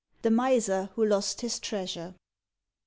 THE MISER WHO LOST HIS TREASURE.